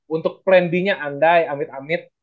untuk plan b nya andai amit amit